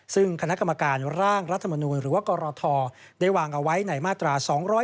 ซึ่งคณะกรรมการร่างรัฐมนูลหรือว่ากรทได้วางเอาไว้ในมาตรา๒๗